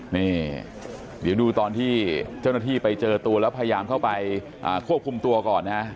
นี่เดี๋ยวดูตอนที่เจ้าหน้าที่ไปเจอตัวแล้วพยายามเข้าไปควบคุมตัวก่อนนะ